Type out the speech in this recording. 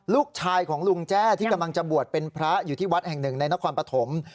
ลูกชายของลุงแจ้ที่กำลังจะบวชเป็นพระอยู่ที่วัดแห่งหนึ่งในนครปฐม